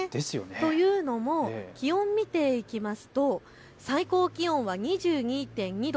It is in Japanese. というのも気温を見ていきますと最高気温は２２．２度。